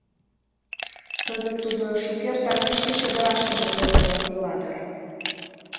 Кызыт тудо шукертак шке чодырашкыже пӧртылын ила дыр.